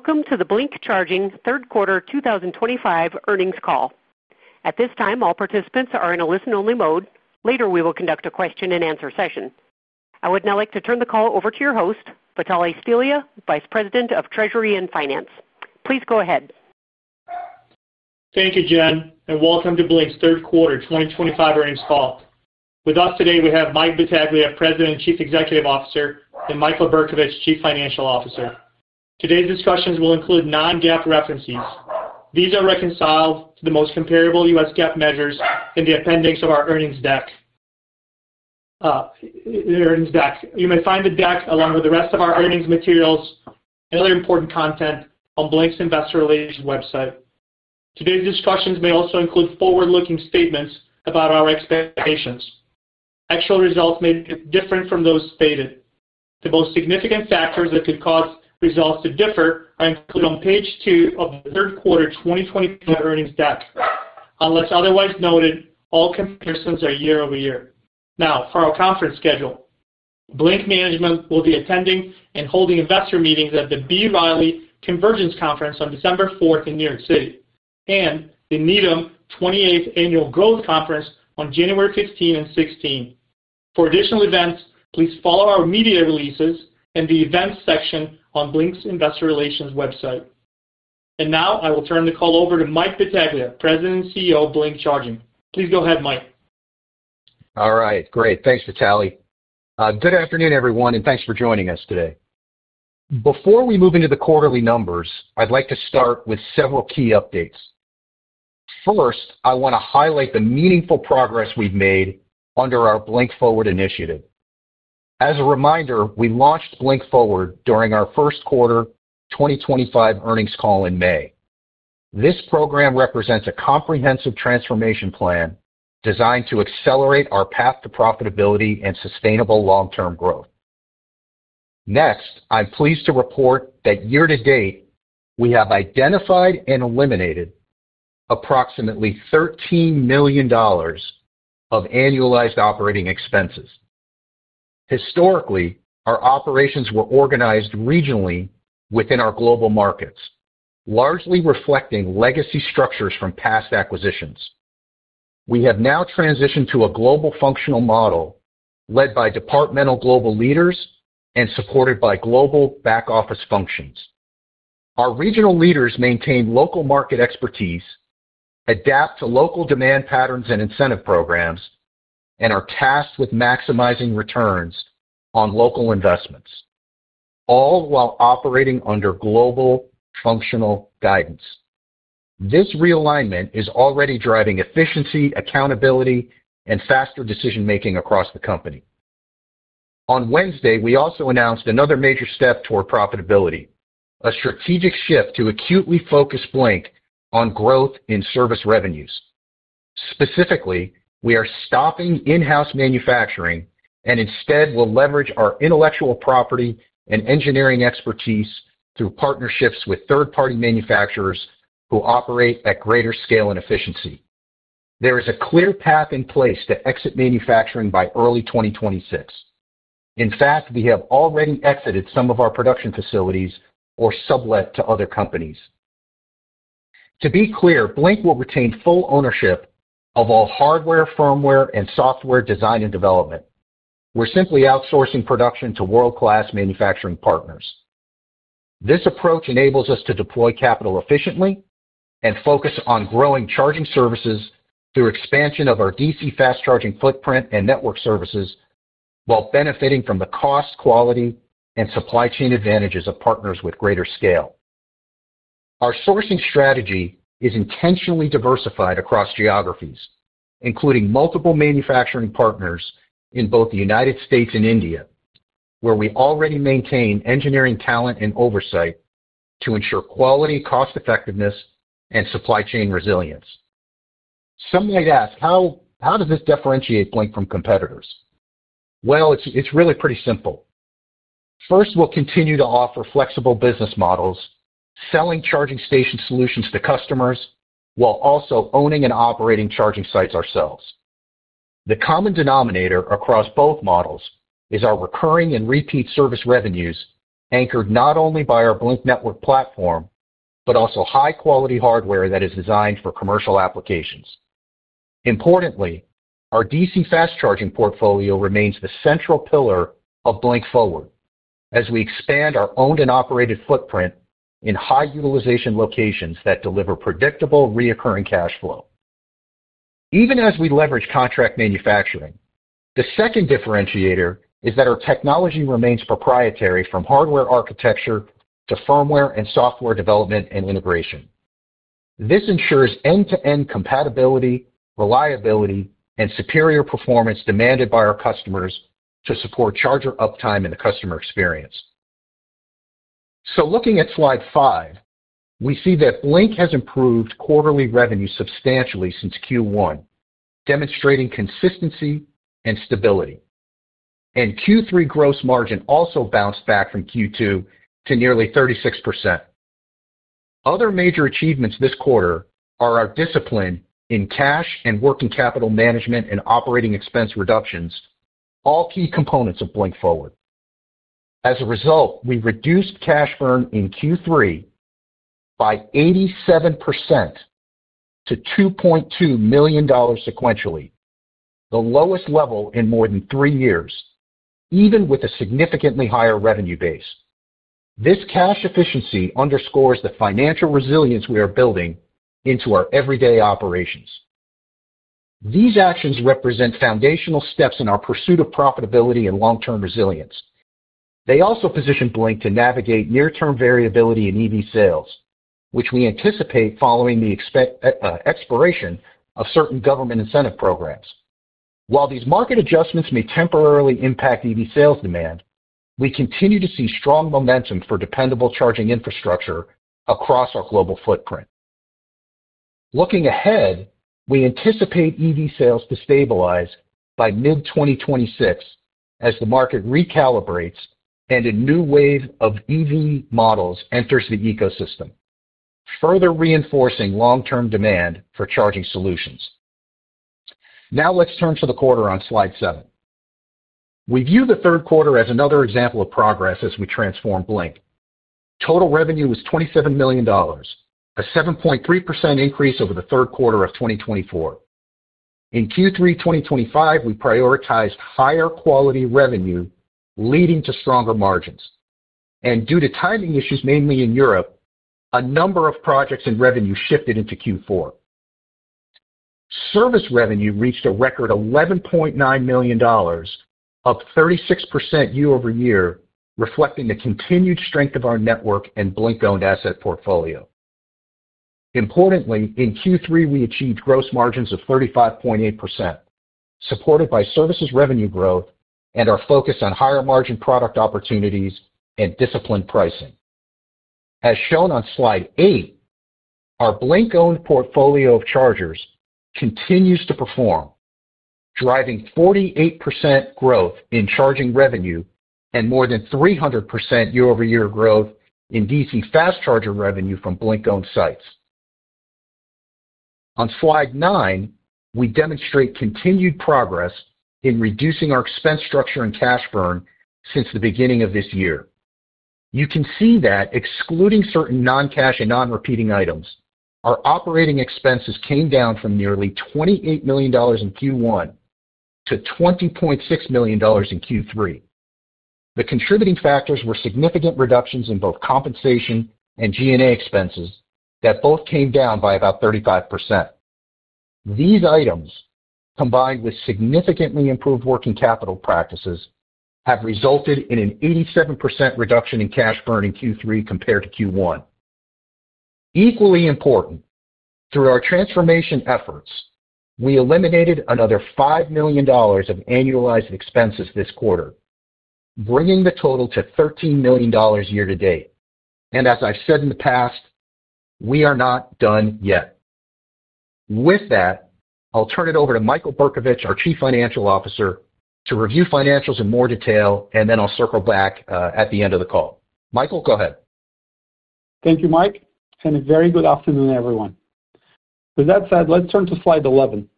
Welcome to the Blink Charging third quarter 2025 earnings call. At this time, all participants are in a listen-only mode. Later, we will conduct a question-and-answer session. I would now like to turn the call over to your host, Vitale Stelea, Vice President of Treasury and Finance. Please go ahead. Thank you, Jen, and welcome to Blink's third quarter 2025 earnings call. With us today, we have Mike Battaglia, President and Chief Executive Officer, and Michael Berkovich, Chief Financial Officer. Today's discussions will include non-GAAP references. These are reconciled to the most comparable U.S. GAAP measures in the appendix of our earnings deck. You may find the deck, along with the rest of our earnings materials, and other important content on Blink's investor relations website. Today's discussions may also include forward-looking statements about our expectations. Actual results may differ from those stated. The most significant factors that could cause results to differ are included on page two of the third quarter 2025 earnings deck. Unless otherwise noted, all comparisons are year over year. Now, for our conference schedule, Blink Management will be attending and holding investor meetings at the B. Riley Convergence Conference on December 4 in New York City, and the Needham 28th Annual Growth Conference on January 15 and 16. For additional events, please follow our media releases and the events section on Blink's investor relations website. I will now turn the call over to Mike Battaglia, President and CEO of Blink Charging. Please go ahead, Mike. All right. Great. Thanks, Vitale. Good afternoon, everyone, and thanks for joining us today. Before we move into the quarterly numbers, I'd like to start with several key updates. First, I want to highlight the meaningful progress we've made under our Blink Forward initiative. As a reminder, we launched Blink Forward during our first quarter 2025 earnings call in May. This program represents a comprehensive transformation plan designed to accelerate our path to profitability and sustainable long-term growth. Next, I'm pleased to report that year-to-date, we have identified and eliminated approximately $13 million of annualized operating expenses. Historically, our operations were organized regionally within our global markets, largely reflecting legacy structures from past acquisitions. We have now transitioned to a global functional model led by departmental global leaders and supported by global back-office functions. Our regional leaders maintain local market expertise, adapt to local demand patterns and incentive programs, and are tasked with maximizing returns on local investments, all while operating under global functional guidance. This realignment is already driving efficiency, accountability, and faster decision-making across the company. On Wednesday, we also announced another major step toward profitability: a strategic shift to acutely focus Blink on growth in service revenues. Specifically, we are stopping in-house manufacturing and instead will leverage our intellectual property and engineering expertise through partnerships with third-party manufacturers who operate at greater scale and efficiency. There is a clear path in place to exit manufacturing by early 2026. In fact, we have already exited some of our production facilities or sublet to other companies. To be clear, Blink will retain full ownership of all hardware, firmware, and software design and development. We're simply outsourcing production to world-class manufacturing partners. This approach enables us to deploy capital efficiently and focus on growing charging services through expansion of our DC fast-charging footprint and network services while benefiting from the cost, quality, and supply chain advantages of partners with greater scale. Our sourcing strategy is intentionally diversified across geographies, including multiple manufacturing partners in both the United States and India, where we already maintain engineering talent and oversight to ensure quality, cost-effectiveness, and supply chain resilience. Some might ask, how does this differentiate Blink from competitors? It is really pretty simple. First, we'll continue to offer flexible business models, selling charging station solutions to customers while also owning and operating charging sites ourselves. The common denominator across both models is our recurring and repeat service revenues anchored not only by our Blink Network platform but also high-quality hardware that is designed for commercial applications. Importantly, our DC fast-charging portfolio remains the central pillar of Blink Forward as we expand our owned and operated footprint in high-utilization locations that deliver predictable reoccurring cash flow. Even as we leverage contract manufacturing, the second differentiator is that our technology remains proprietary from hardware architecture to firmware and software development and integration. This ensures end-to-end compatibility, reliability, and superior performance demanded by our customers to support charger uptime and the customer experience. Looking at slide five, we see that Blink has improved quarterly revenue substantially since Q1, demonstrating consistency and stability. Q3 gross margin also bounced back from Q2 to nearly 36%. Other major achievements this quarter are our discipline in cash and working capital management and operating expense reductions, all key components of Blink Forward. As a result, we reduced cash burn in Q3 by 87%. To $2.2 million sequentially, the lowest level in more than three years, even with a significantly higher revenue base. This cash efficiency underscores the financial resilience we are building into our everyday operations. These actions represent foundational steps in our pursuit of profitability and long-term resilience. They also position Blink to navigate near-term variability in EV sales, which we anticipate following the expiration of certain government incentive programs. While these market adjustments may temporarily impact EV sales demand, we continue to see strong momentum for dependable charging infrastructure across our global footprint. Looking ahead, we anticipate EV sales to stabilize by mid-2026 as the market recalibrates and a new wave of EV models enters the ecosystem, further reinforcing long-term demand for charging solutions. Now, let's turn to the quarter on slide seven. We view the third quarter as another example of progress as we transform Blink. Total revenue was $27 million, a 7.3% increase over the third quarter of 2024. In Q3 2025, we prioritized higher quality revenue leading to stronger margins. Due to timing issues mainly in Europe, a number of projects and revenue shifted into Q4. Service revenue reached a record $11.9 million, up 36% year-over-year, reflecting the continued strength of our network and Blink-owned asset portfolio. Importantly, in Q3, we achieved gross margins of 35.8%, supported by services revenue growth and our focus on higher-margin product opportunities and disciplined pricing. As shown on slide eight, our Blink-owned portfolio of chargers continues to perform, driving 48% growth in charging revenue and more than 300% year-over-year growth in DC fast-charger revenue from Blink-owned sites. On slide nine, we demonstrate continued progress in reducing our expense structure and cash burn since the beginning of this year. You can see that excluding certain non-cash and non-repeating items, our operating expenses came down from nearly $28 million in Q1 to $20.6 million in Q3. The contributing factors were significant reductions in both compensation and G&A expenses that both came down by about 35%. These items, combined with significantly improved working capital practices, have resulted in an 87% reduction in cash burn in Q3 compared to Q1. Equally important, through our transformation efforts, we eliminated another $5 million of annualized expenses this quarter, bringing the total to $13 million year-to-date. As I have said in the past. We are not done yet. With that, I'll turn it over to Michael Berkovich, our Chief Financial Officer, to review financials in more detail, and then I'll circle back at the end of the call. Michael, go ahead. Thank you, Mike, and a very good afternoon, everyone. With that said, let's turn to slide 11.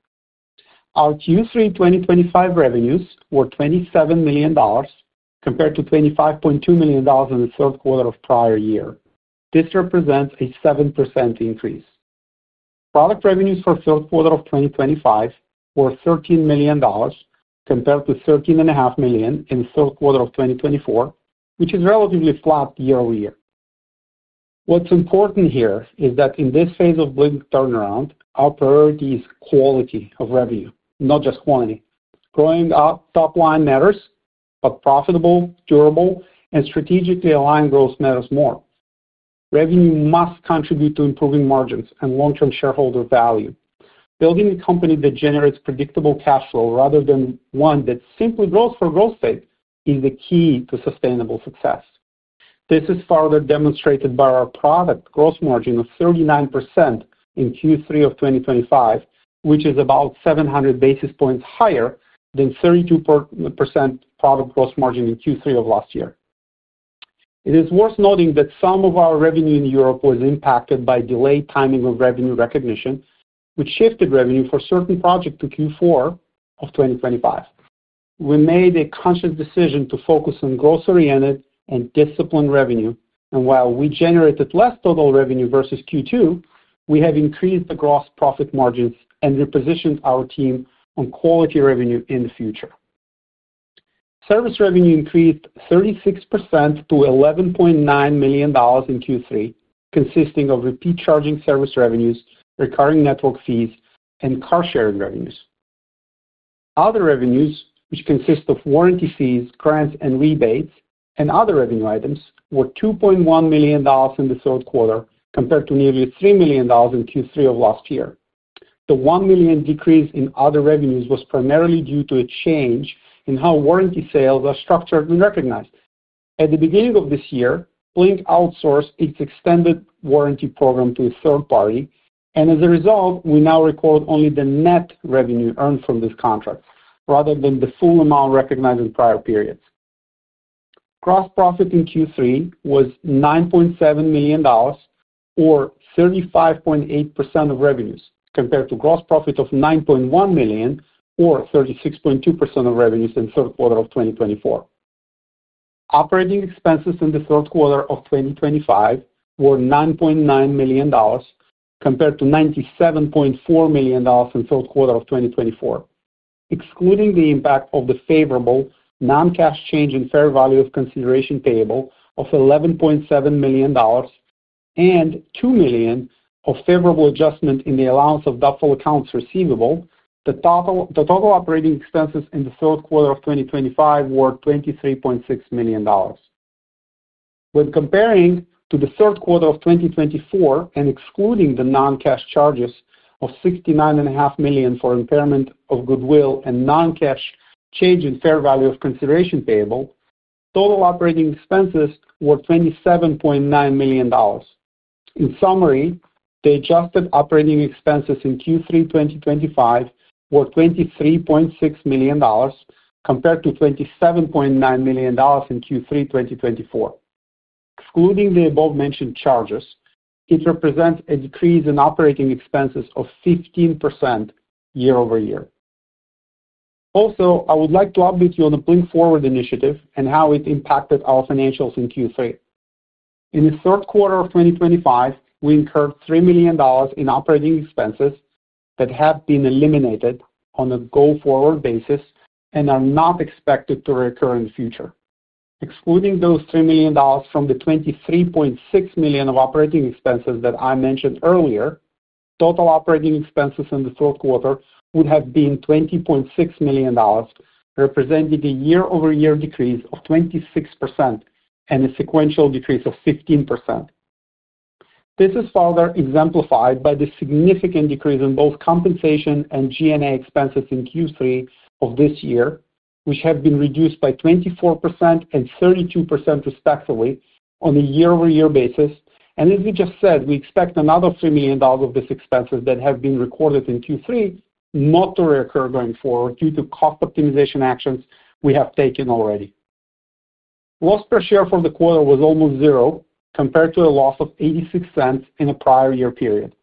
Our Q3 2025 revenues were $27 million compared to $25.2 million in the third quarter of the prior year. This represents a 7% increase. Product revenues for the third quarter of 2025 were $13 million compared to $13.5 million in the third quarter of 2024, which is relatively flat year-over-year. What's important here is that in this phase of Blink turnaround, our priority is quality of revenue, not just quantity. Growing up top line matters, but profitable, durable, and strategically aligned growth matters more. Revenue must contribute to improving margins and long-term shareholder value. Building a company that generates predictable cash flow rather than one that simply grows for growth's sake is the key to sustainable success. This is further demonstrated by our product growth margin of 39% in Q3 of 2025, which is about 700 basis points higher than the 32% product growth margin in Q3 of last year. It is worth noting that some of our revenue in Europe was impacted by delayed timing of revenue recognition, which shifted revenue for certain projects to Q4 of 2025. We made a conscious decision to focus on growth-oriented and disciplined revenue, and while we generated less total revenue versus Q2, we have increased the gross profit margins and repositioned our team on quality revenue in the future. Service revenue increased 36% to $11.9 million in Q3, consisting of repeat charging service revenues, recurring network fees, and car sharing revenues. Other revenues, which consist of warranty fees, grants, and rebates, and other revenue items, were $2.1 million in the third quarter compared to nearly $3 million in Q3 of last year. The $1 million decrease in other revenues was primarily due to a change in how warranty sales are structured and recognized. At the beginning of this year, Blink outsourced its extended warranty program to a third party, and as a result, we now record only the net revenue earned from this contract rather than the full amount recognized in prior periods. Gross profit in Q3 was $9.7 million, or 35.8% of revenues, compared to gross profit of $9.1 million or 36.2% of revenues in the third quarter of 2024. Operating expenses in the third quarter of 2025 were $9.9 million, compared to $97.4 million in the third quarter of 2024. Excluding the impact of the favorable non-cash change in fair value of consideration payable of $11.7 million and $2 million of favorable adjustment in the allowance of doubtful accounts receivable, the total operating expenses in the third quarter of 2025 were $23.6 million. When comparing to the third quarter of 2024 and excluding the non-cash charges of $69.5 million for impairment of goodwill and non-cash change in fair value of consideration payable, total operating expenses were $27.9 million. In summary, the adjusted operating expenses in Q3 2025 were $23.6 million, compared to $27.9 million in Q3 2024. Excluding the above-mentioned charges, it represents a decrease in operating expenses of 15% year-over-year. Also, I would like to update you on the Blink Forward initiative and how it impacted our financials in Q3. In the third quarter of 2025, we incurred $3 million in operating expenses that have been eliminated on a go-forward basis and are not expected to recur in the future. Excluding those $3 million from the $23.6 million of operating expenses that I mentioned earlier, total operating expenses in the third quarter would have been $20.6 million. Representing a year-over-year decrease of 26% and a sequential decrease of 15%. This is further exemplified by the significant decrease in both compensation and G&A expenses in Q3 of this year, which have been reduced by 24% and 32% respectively on a year-over-year basis. As we just said, we expect another $3 million of these expenses that have been recorded in Q3 not to recur going forward due to cost optimization actions we have taken already. Loss per share for the quarter was almost zero compared to a loss of $0.86 in a prior year period.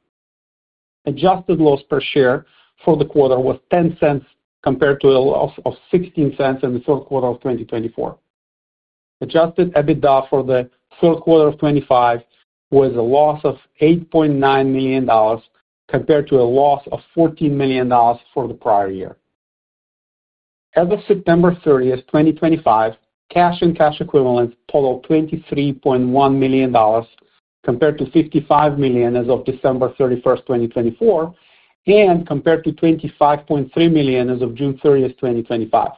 Adjusted loss per share for the quarter was $0.10 compared to a loss of $0.16 in the third quarter of 2024. Adjusted EBITDA for the third quarter of 2025 was a loss of $8.9 million. Compared to a loss of $14 million for the prior year. As of September 30, 2025, cash and cash equivalents totaled $23.1 million. Compared to $55 million as of December 31, 2024, and compared to $25.3 million as of June 30, 2025.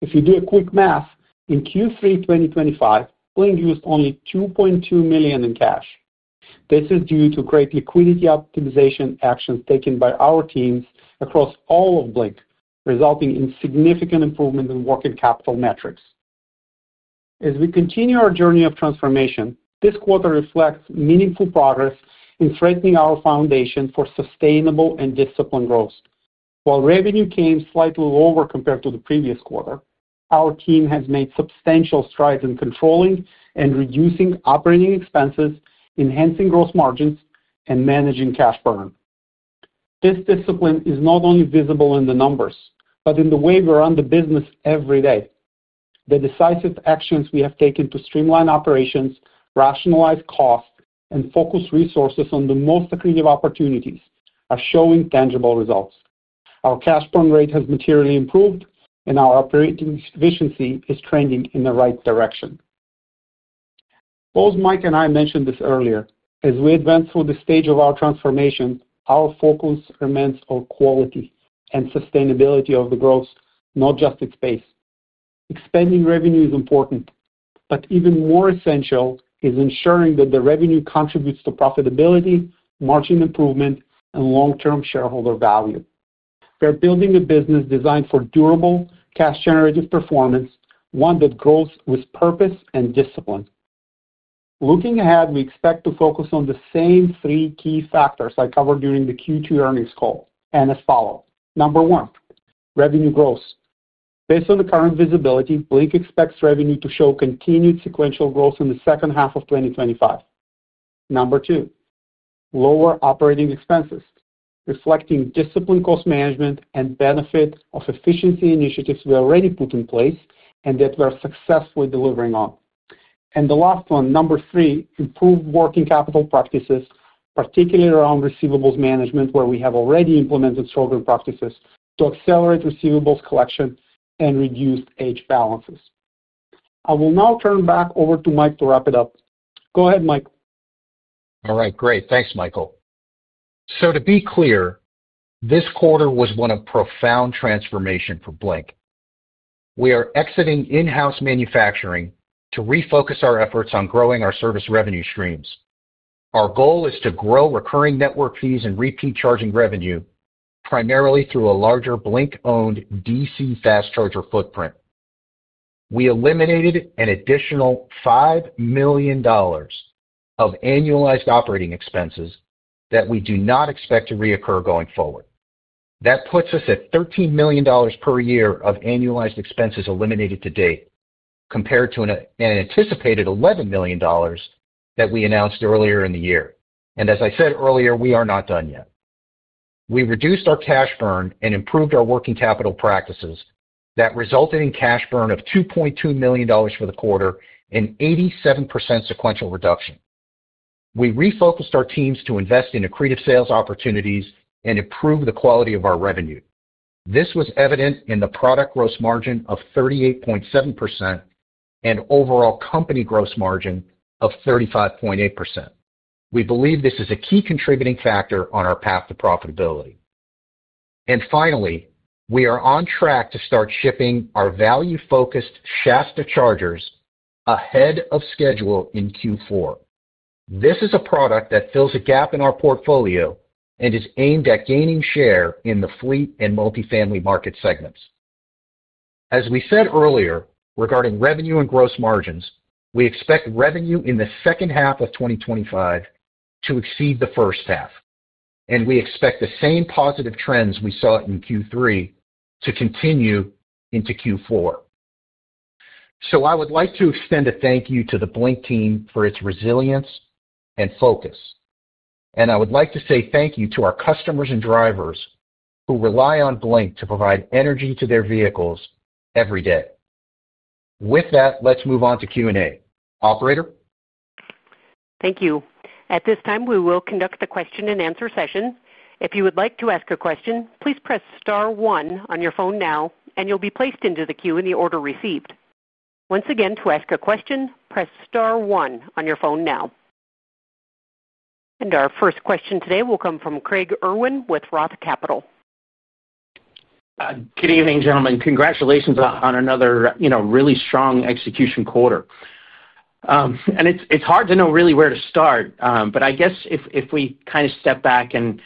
If you do a quick math, in Q3 2025, Blink used only $2.2 million in cash. This is due to great liquidity optimization actions taken by our teams across all of Blink, resulting in significant improvement in working capital metrics. As we continue our journey of transformation, this quarter reflects meaningful progress in strengthening our foundation for sustainable and disciplined growth. While revenue came slightly lower compared to the previous quarter, our team has made substantial strides in controlling and reducing operating expenses, enhancing gross margins, and managing cash burn. This discipline is not only visible in the numbers, but in the way we run the business every day. The decisive actions we have taken to streamline operations, rationalize costs, and focus resources on the most creative opportunities are showing tangible results. Our cash burn rate has materially improved, and our operating efficiency is trending in the right direction. Both Mike and I mentioned this earlier. As we advance through the stage of our transformation, our focus remains on quality and sustainability of the growth, not just its base. Expanding revenue is important, but even more essential is ensuring that the revenue contributes to profitability, margin improvement, and long-term shareholder value. We're building a business designed for durable, cash-generative performance, one that grows with purpose and discipline. Looking ahead, we expect to focus on the same three key factors I covered during the Q2 earnings call and as follows. Number one, revenue growth. Based on the current visibility, Blink expects revenue to show continued sequential growth in the second half of 2025. Number two, lower operating expenses, reflecting disciplined cost management and benefit of efficiency initiatives we already put in place and that we are successfully delivering on. The last one, number three, improved working capital practices, particularly around receivables management, where we have already implemented stronger practices to accelerate receivables collection and reduce H-balances. I will now turn back over to Mike to wrap it up. Go ahead, Mike. All right, great. Thanks, Michael. To be clear, this quarter was one of profound transformation for Blink. We are exiting in-house manufacturing to refocus our efforts on growing our service revenue streams. Our goal is to grow recurring network fees and repeat charging revenue primarily through a larger Blink-owned DC fast charger footprint. We eliminated an additional $5 million of annualized operating expenses that we do not expect to reoccur going forward. That puts us at $13 million per year of annualized expenses eliminated to date compared to an anticipated $11 million that we announced earlier in the year. As I said earlier, we are not done yet. We reduced our cash burn and improved our working capital practices that resulted in cash burn of $2.2 million for the quarter and 87% sequential reduction. We refocused our teams to invest in accretive sales opportunities and improve the quality of our revenue. This was evident in the product gross margin of 38.7% and overall company gross margin of 35.8%. We believe this is a key contributing factor on our path to profitability. Finally, we are on track to start shipping our value-focused Shasta chargers ahead of schedule in Q4. This is a product that fills a gap in our portfolio and is aimed at gaining share in the fleet and multifamily market segments. As we said earlier regarding revenue and gross margins, we expect revenue in the second half of 2025 to exceed the first half, and we expect the same positive trends we saw in Q3 to continue into Q4. I would like to extend a thank you to the Blink team for its resilience and focus. I would like to say thank you to our customers and drivers who rely on Blink to provide energy to their vehicles every day. With that, let's move on to Q&A. Operator. Thank you. At this time, we will conduct the question-and-answer session. If you would like to ask a question, please press star one on your phone now, and you'll be placed into the queue in the order received. Once again, to ask a question, press star one on your phone now. Our first question today will come from Craig Irwin with Roth Capital. Good evening, gentlemen. Congratulations on another really strong execution quarter. It's hard to know really where to start, but I guess if we kind of step back and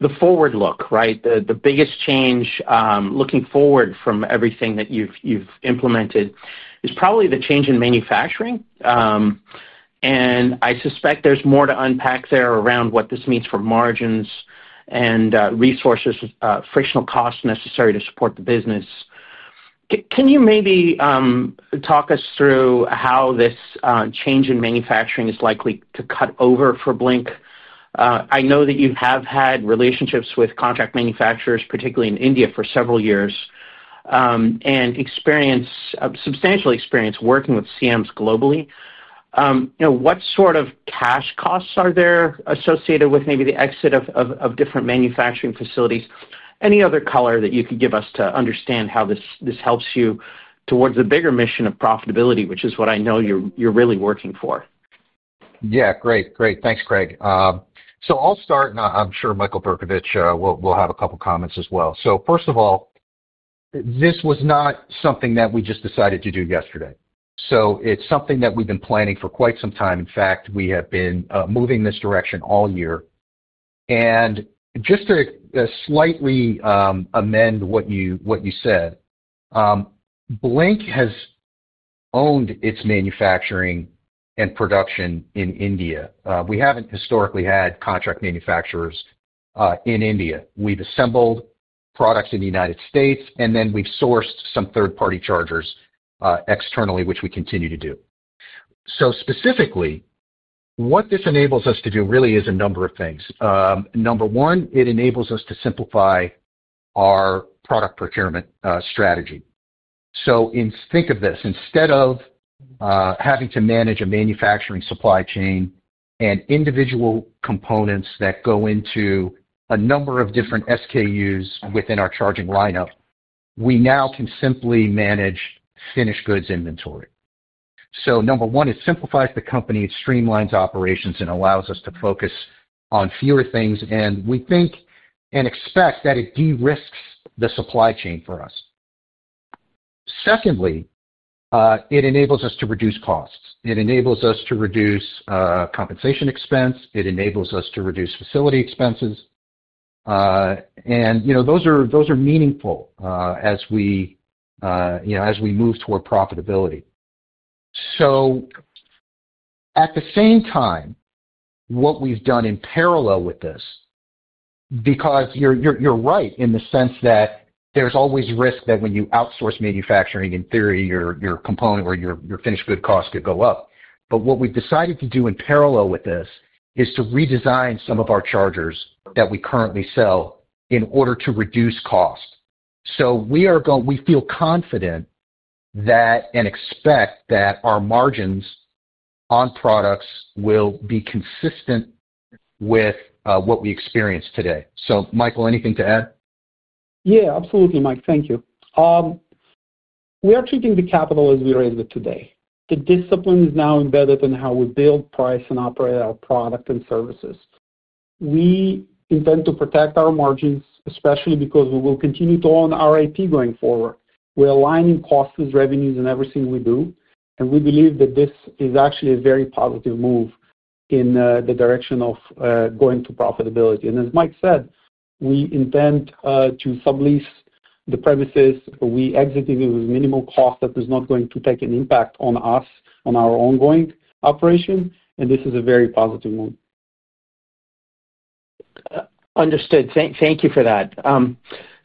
the forward look, right, the biggest change looking forward from everything that you've implemented is probably the change in manufacturing. I suspect there's more to unpack there around what this means for margins and resources, frictional costs necessary to support the business. Can you maybe talk us through how this change in manufacturing is likely to cut over for Blink? I know that you have had relationships with contract manufacturers, particularly in India, for several years, and substantial experience working with CMs globally. What sort of cash costs are there associated with maybe the exit of different manufacturing facilities? Any other color that you could give us to understand how this helps you towards the bigger mission of profitability, which is what I know you're really working for? Yeah, great. Great. Thanks, Craig. I'll start, and I'm sure Michael Bercovich will have a couple of comments as well. First of all, this was not something that we just decided to do yesterday. It's something that we've been planning for quite some time. In fact, we have been moving this direction all year. Just to slightly amend what you said, Blink has owned its manufacturing and production in India. We haven't historically had contract manufacturers in India. We've assembled products in the United States, and then we've sourced some third-party chargers externally, which we continue to do. Specifically, what this enables us to do really is a number of things. Number one, it enables us to simplify our product procurement strategy. Think of this, instead of having to manage a manufacturing supply chain and individual components that go into. A number of different SKUs within our charging lineup, we now can simply manage finished goods inventory. Number one, it simplifies the company, it streamlines operations, and allows us to focus on fewer things. We think and expect that it de-risks the supply chain for us. Secondly, it enables us to reduce costs. It enables us to reduce compensation expense. It enables us to reduce facility expenses. Those are meaningful as we move toward profitability. At the same time, what we've done in parallel with this, because you're right in the sense that there's always risk that when you outsource manufacturing, in theory, your component or your finished good cost could go up. What we've decided to do in parallel with this is to redesign some of our chargers that we currently sell in order to reduce cost. We feel confident. We expect that our margins on products will be consistent with what we experience today. Michael, anything to add? Yeah, absolutely, Mike. Thank you. We are treating the capital as we raise it today. The discipline is now embedded in how we build, price, and operate our product and services. We intend to protect our margins, especially because we will continue to own RAP going forward. We are aligning costs, revenues, and everything we do. We believe that this is actually a very positive move in the direction of going to profitability. As Mike said, we intend to sublease the premises. We exited it with minimal cost that is not going to take an impact on us, on our ongoing operation. This is a very positive move. Understood. Thank you for that.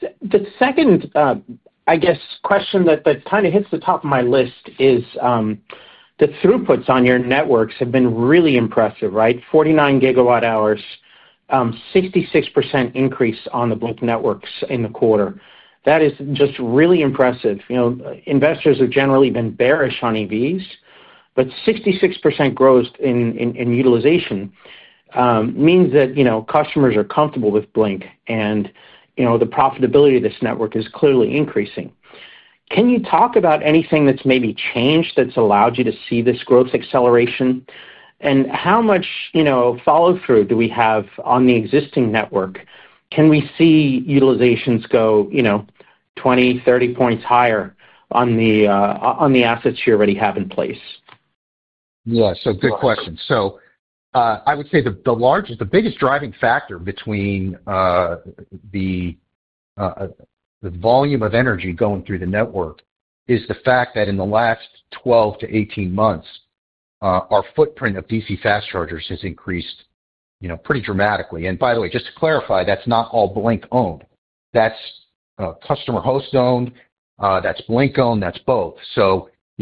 The second, I guess, question that kind of hits the top of my list is, the throughputs on your networks have been really impressive, right? 49 gigawatt hours, 66% increase on the Blink networks in the quarter. That is just really impressive. Investors have generally been bearish on EVs, but 66% growth in utilization means that customers are comfortable with Blink, and the profitability of this network is clearly increasing. Can you talk about anything that's maybe changed that's allowed you to see this growth acceleration? How much follow-through do we have on the existing network? Can we see utilizations go 20-30 points higher on the assets you already have in place? Yeah, good question. I would say the biggest driving factor between the volume of energy going through the network is the fact that in the last 12 to 18 months, our footprint of DC fast chargers has increased pretty dramatically. By the way, just to clarify, that's not all Blink-owned. That's customer-host-owned, that's Blink-owned, that's both.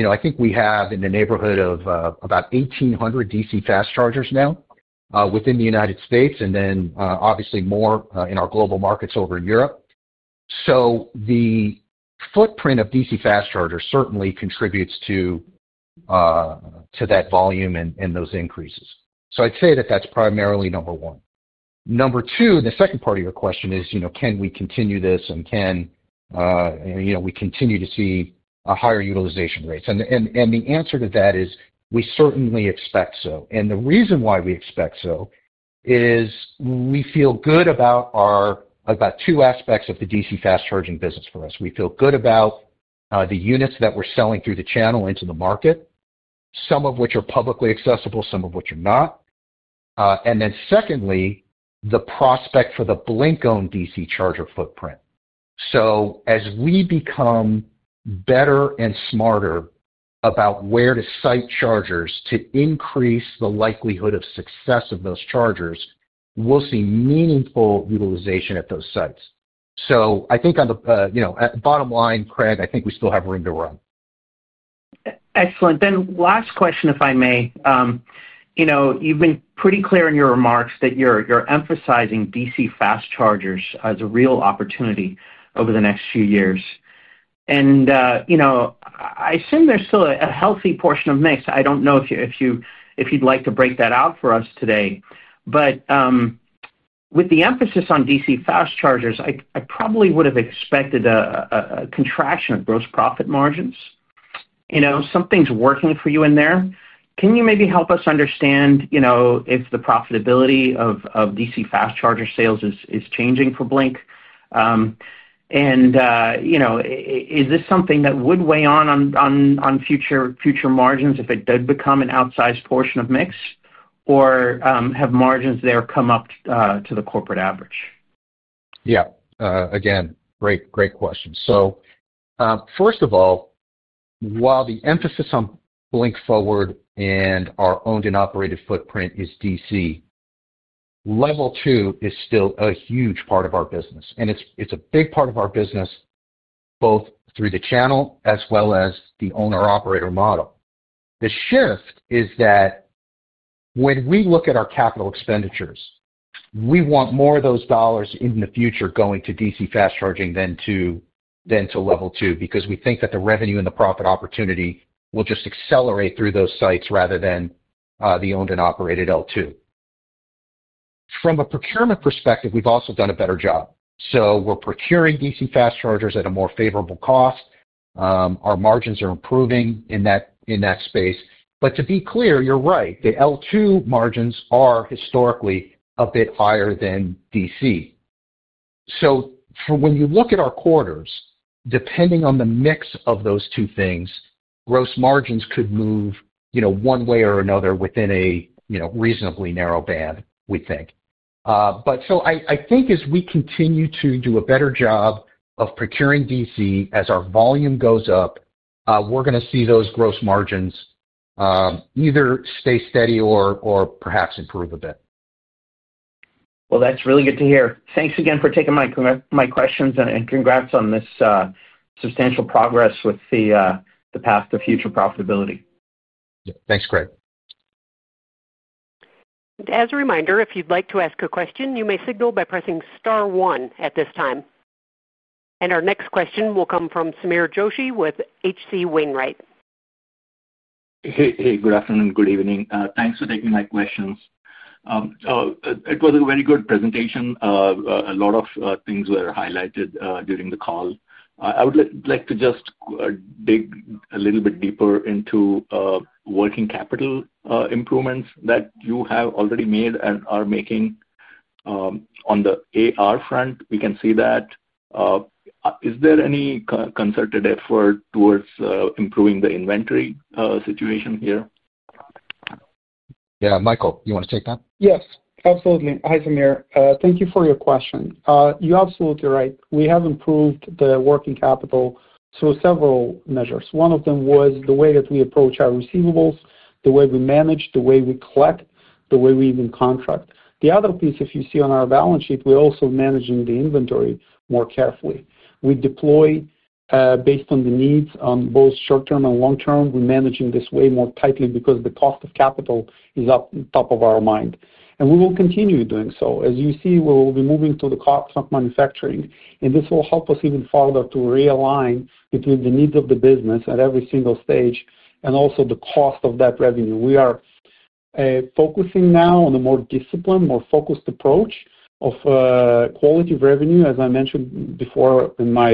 I think we have in the neighborhood of about 1,800 DC fast chargers now within the United States, and then obviously more in our global markets over in Europe. The footprint of DC fast chargers certainly contributes to that volume and those increases. I'd say that's primarily number one. Number two, the second part of your question is, can we continue this and can we continue to see higher utilization rates? The answer to that is we certainly expect so. The reason why we expect so is we feel good about two aspects of the DC fast charging business for us. We feel good about the units that we're selling through the channel into the market, some of which are publicly accessible, some of which are not. Then secondly, the prospect for the Blink-owned DC charger footprint. As we become better and smarter about where to site chargers to increase the likelihood of success of those chargers, we'll see meaningful utilization at those sites. I think on the bottom line, Craig, I think we still have room to run. Excellent. Last question, if I may. You've been pretty clear in your remarks that you're emphasizing DC fast chargers as a real opportunity over the next few years. I assume there's still a healthy portion of mix. I don't know if you'd like to break that out for us today. With the emphasis on DC fast chargers, I probably would have expected a contraction of gross profit margins. Something's working for you in there. Can you maybe help us understand if the profitability of DC fast charger sales is changing for Blink? Is this something that would weigh on future margins if it did become an outsized portion of mix or have margins there come up to the corporate average? Yeah. Again, great question. First of all, while the emphasis on Blink forward and our owned and operated footprint is DC, level two is still a huge part of our business. And it's a big part of our business both through the channel as well as the owner-operator model. The shift is that when we look at our capital expenditures, we want more of those dollars in the future going to DC fast charging than to level two because we think that the revenue and the profit opportunity will just accelerate through those sites rather than the owned and operated L2. From a procurement perspective, we've also done a better job. We're procuring DC fast chargers at a more favorable cost. Our margins are improving in that space. To be clear, you're right, the L2 margins are historically a bit higher than DC. When you look at our quarters, depending on the mix of those two things, gross margins could move one way or another within a reasonably narrow band, we think. I think as we continue to do a better job of procuring DC, as our volume goes up, we're going to see those gross margins either stay steady or perhaps improve a bit. That's really good to hear. Thanks again for taking my questions and congrats on this substantial progress with the path to future profitability. Yeah. Thanks, Craig. As a reminder, if you'd like to ask a question, you may signal by pressing star one at this time. Our next question will come from Samir Joshi with H.C. Wainwright. Hey, good afternoon. Good evening. Thanks for taking my questions. It was a very good presentation. A lot of things were highlighted during the call. I would like to just dig a little bit deeper into working capital improvements that you have already made and are making. On the AR front, we can see that. Is there any concerted effort towards improving the inventory situation here? Yeah, Michael, you want to take that? Yes, absolutely. Hi, Sameer. Thank you for your question. You're absolutely right. We have improved the working capital through several measures. One of them was the way that we approach our receivables, the way we manage, the way we collect, the way we even contract. The other piece, if you see on our balance sheet, we're also managing the inventory more carefully. We deploy based on the needs on both short-term and long-term. We're managing this way more tightly because the cost of capital is on top of our mind. We will continue doing so. As you see, we will be moving to the cost of manufacturing. This will help us even further to realign between the needs of the business at every single stage and also the cost of that revenue. We are focusing now on a more disciplined, more focused approach of. Quality of revenue, as I mentioned before in my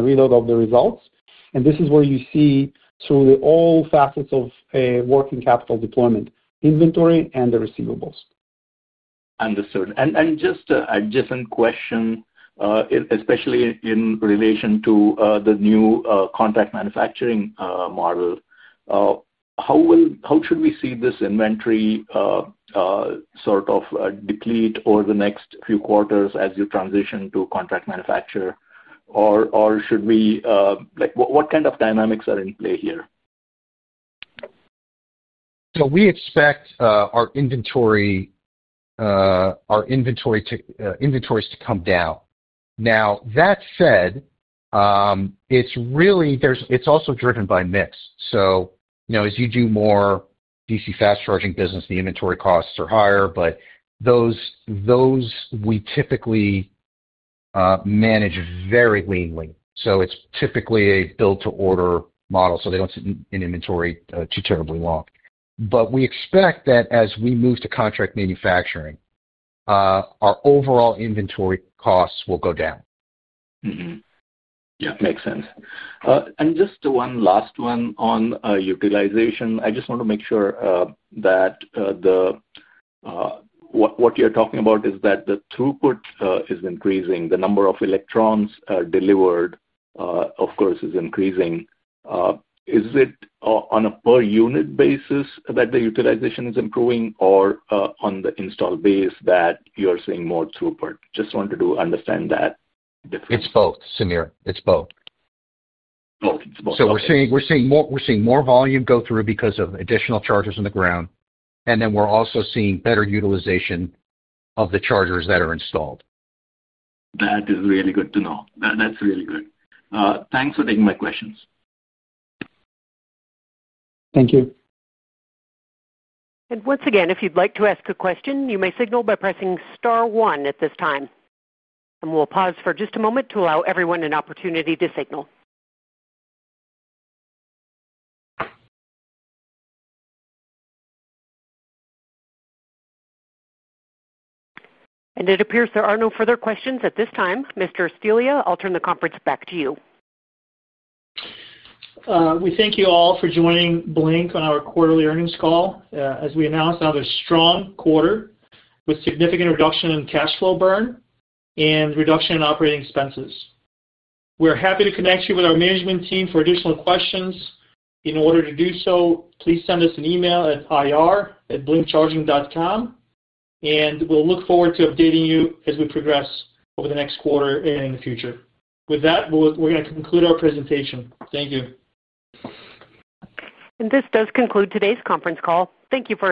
reload of the results. This is where you see through all facets of working capital deployment, inventory, and the receivables. Understood. Just a different question. Especially in relation to the new contract manufacturing model. How should we see this inventory sort of deplete over the next few quarters as you transition to contract manufacture? Or should we? What kind of dynamics are in play here? We expect our inventories to come down. Now, that said, it's also driven by mix. As you do more DC fast-charging business, the inventory costs are higher, but those we typically manage very leanly. It's typically a build-to-order model, so they don't sit in inventory too terribly long. We expect that as we move to contract manufacturing, our overall inventory costs will go down. Yeah, makes sense. Just one last one on utilization. I just want to make sure that what you're talking about is that the throughput is increasing. The number of electrons delivered, of course, is increasing. Is it on a per-unit basis that the utilization is improving or on the install base that you're seeing more throughput? Just wanted to understand that. It's both, Samir. It's both. We're seeing more volume go through because of additional chargers on the ground. And then we're also seeing better utilization of the chargers that are installed. That is really good to know. That's really good. Thanks for taking my questions. Thank you. If you'd like to ask a question, you may signal by pressing star one at this time. We'll pause for just a moment to allow everyone an opportunity to signal. It appears there are no further questions at this time. Mr. Stelea, I'll turn the conference back to you. We thank you all for joining Blink on our quarterly earnings call. As we announced, I have a strong quarter with significant reduction in cash flow burn and reduction in operating expenses. We're happy to connect you with our management team for additional questions. In order to do so, please send us an email at ir@blinkcharging.com. We look forward to updating you as we progress over the next quarter and in the future. With that, we're going to conclude our presentation. Thank you. This does conclude today's conference call. Thank you for joining us.